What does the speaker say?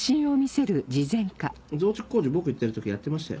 増築工事僕行ってる時やってましたよ。